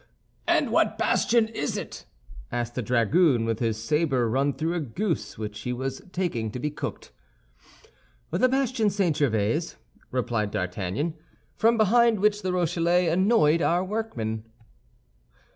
"And what bastion is it?" asked a dragoon, with his saber run through a goose which he was taking to be cooked. "The bastion St. Gervais," replied D'Artagnan, "from behind which the Rochellais annoyed our workmen."